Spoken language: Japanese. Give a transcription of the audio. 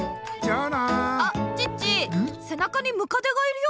あっチッチせなかにムカデがいるよ。